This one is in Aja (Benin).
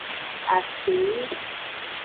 Asengu.